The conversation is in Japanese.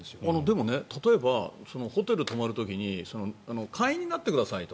でも例えばホテルに泊まる時に会員になってくださいと。